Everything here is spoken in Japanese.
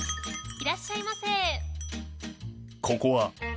いらっしゃいませ。